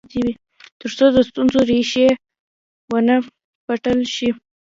تر څو د ستونزو ریښې و نه پلټل شي.